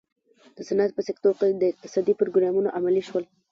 د صنعت په سکتور کې اقتصادي پروګرامونه عملي شول.